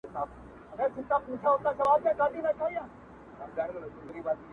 ځکه لا هم پاته څو تڼۍ پر ګرېوانه لرم,